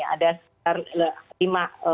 ada lima gedung